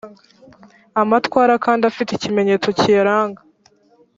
amatwara kandi afite ikimenyetso kiyaranga